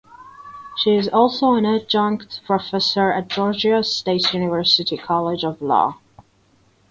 She is also an Adjunct Professor at Georgia State University College of Law.